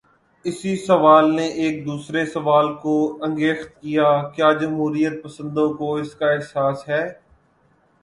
اسی سوال نے ایک دوسرے سوال کو انگیخت کیا: کیا جمہوریت پسندوں کو اس کا احساس ہے؟